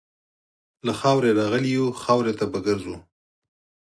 له خاورې راغلي یو، خاورې ته به ګرځو.